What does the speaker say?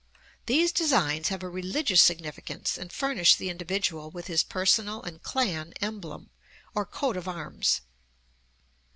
These designs have a religious significance and furnish the individual with his personal and clan emblem, or coat of arms.